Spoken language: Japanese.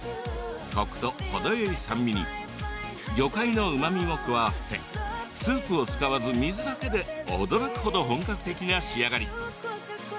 コクと程よい酸味に魚介のうまみも加わってスープを使わず水だけで驚く程、本格的な仕上がり。